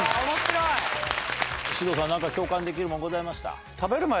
獅童さん何か共感できるものございました？